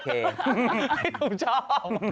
พี่หนูชอบ